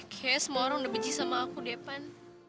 kayaknya semua orang udah benci sama aku deppan